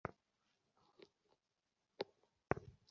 আপনিও সাথে আসবেন, তাই না?